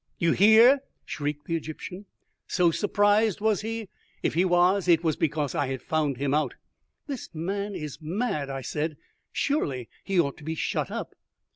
"You hear?" shrieked the Egyptian. "So surprised, was he? If he was, it was because I had found him out." "This man is mad," I said. "Surely he ought to be shut up."